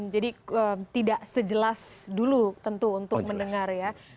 jadi tidak sejelas dulu tentu untuk mendengar ya